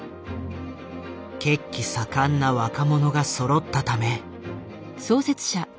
血気盛んな若者がそろったため。